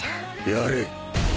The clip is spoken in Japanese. やれ！